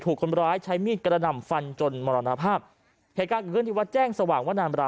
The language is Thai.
ถูกคนร้ายใช้มีดกระดำฟันจนโมรณภาพเกิดขึ้นที่วัดแจ้งสว่างว่านานเวลา